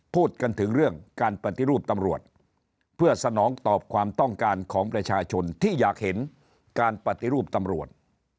พูดกันถึงเรื่องการปฏิรูปตำรวจเพื่อสนองตอบความต้องการของประชาชนที่อยากเห็นการปฏิรูปตำรวจ